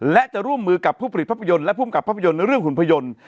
และจะร่วมมือกับผู้ผลิตภาพยนตร์และภูมิกับภาพยนตร์เรื่องหุ่นพยนตร์